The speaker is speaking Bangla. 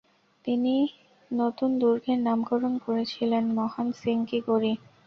তিনি নতুন দুর্গের নামকরণ করেছিলেন মহান সিং কি গঢ়ি।